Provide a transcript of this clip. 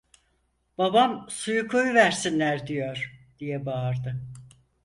"Babam suyu koyuversinler diyor!" diye bağırdı.